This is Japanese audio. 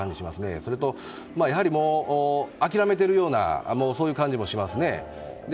それと、諦めているようなそういう感じもしますね。